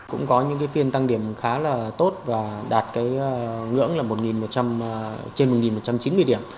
cũng có những phiên tăng điểm khá là tốt và đạt ngưỡng là một một trăm chín mươi điểm